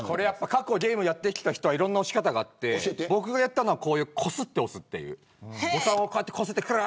過去ゲームやってきた人いろんな押し方があって僕がやったのは、こすって押す。